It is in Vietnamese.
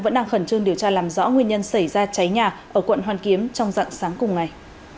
vẫn đang khẩn trương điều tra làm rõ nguyên nhân xảy ra cháy nhà ở quận hoàn kiếm trong dạng sáng cùng ngày